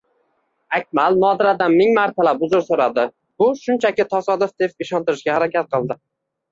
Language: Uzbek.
Akmal Nodiradan ming martalab uzr so`radi, bu shunchaki tasodif deb ishontirishga harakat qildi